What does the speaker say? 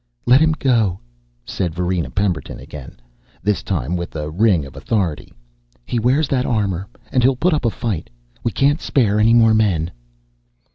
"Let him go," said Varina Pemberton again, this time with a ring of authority. "He wears that armor, and he'll put up a fight. We can't spare any more men."